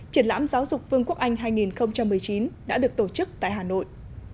triển lãm giáo dục vương quốc anh hai nghìn một mươi chín đã được tổ chức tại hà nội